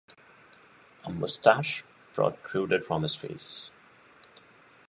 'A mustache protruded from his face.